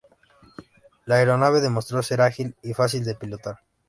La aeronave demostró ser ágil y fácil de pilotar.